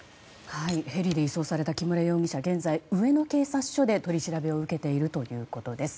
ヘリで移送された木村容疑者は現在、上野警察署で取り調べを受けているということです。